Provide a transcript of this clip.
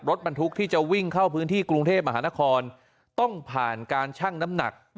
รถบรรทุกที่จะวิ่งเข้าพื้นที่กรุงเทพมหานครต้องผ่านการชั่งน้ำหนัก